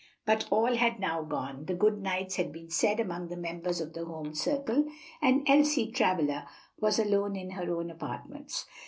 But all had now gone, the good nights had been said among the members of the home circle, and Elsie Travilla was alone in her own apartments.